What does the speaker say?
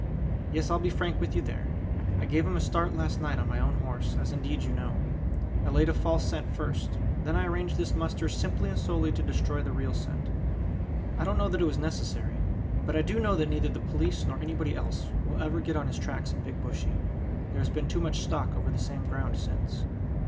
Yes, I'll be frank with you there. I gave him a start last night on my own horse, as indeed you know. I laid a false scent first; then I arranged this muster simply and solely to destroy the real scent. I don't know that it was necessary; but I do know that neither the police nor anybody else will ever get on his tracks in Big Bushy; there has been too much stock over the same ground since."